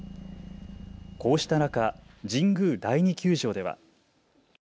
こうした中、神宮第二球場では。